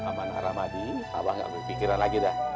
aman rahmadi abah ga berpikiran lagi dah